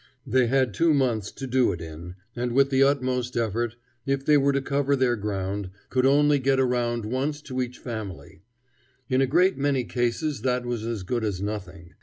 They had two months to do it in, and with the utmost effort, if they were to cover their ground, could only get around once to each family. In a great many cases that was as good as nothing.